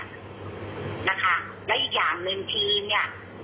นะคะและอีกอย่างหนึ่งทีมเนี่ย